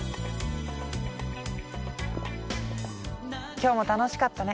今日も楽しかったね。